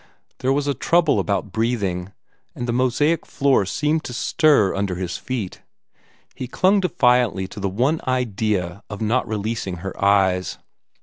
There was a trouble about breathing, and the mosaic floor seemed to stir under his feet. He clung defiantly to the one idea of not releasing her eyes.